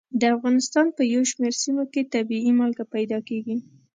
د افغانستان په یو شمېر سیمو کې طبیعي مالګه پیدا کېږي.